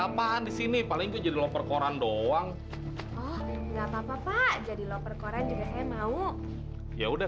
apaan disini paling kejadian cover koran doang gak papa jadi loprik orang juga saya mau ya udah